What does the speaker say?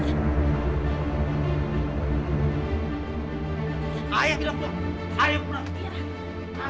jadi sedikit se laurian untuk